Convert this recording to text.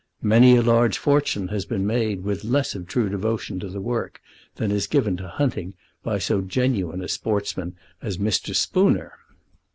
Many a large fortune has been made with less of true devotion to the work than is given to hunting by so genuine a sportsman as Mr. Spooner.